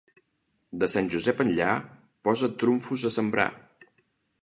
De Sant Josep enllà posa't trumfos a sembrar.